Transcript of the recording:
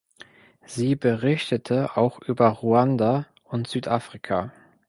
Sie berichtete auch über Ruanda und Südafrika.